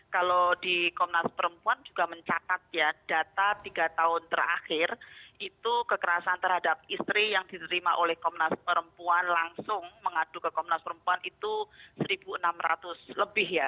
kalau di komnas perempuan juga mencatat ya data tiga tahun terakhir itu kekerasan terhadap istri yang diterima oleh komnas perempuan langsung mengadu ke komnas perempuan itu satu enam ratus lebih ya